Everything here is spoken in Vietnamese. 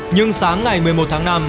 nhưng sáng ngày một mươi một tháng năm